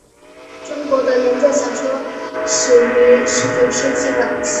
中国的连载小说始于十九世纪晚期。